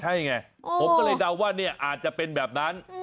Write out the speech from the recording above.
ใช่ไงผมก็เลยเดาว่าเนี่ยอาจจะเป็นแบบนั้น